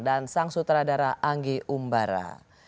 dan sang sutradara anggi umbara